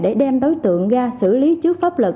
để đem đối tượng ra xử lý trước pháp luật